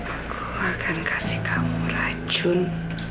aku akan kasih kamu racun